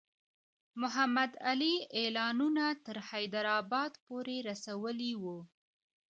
محمدعلي اعلانونه تر حیدرآباد پوري رسولي وو.